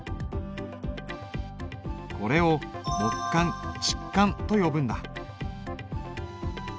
これを木簡竹簡と呼ぶんだ。